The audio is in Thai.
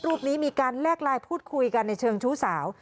รูปนี้มีการแลกไลน์พูดคุยกันในเชิงชู้สาว